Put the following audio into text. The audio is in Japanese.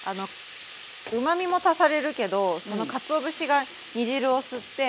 うまみも足されるけどそのかつお節が煮汁を吸って。